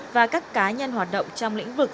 và các cá nhân hoạt động trong lĩnh vực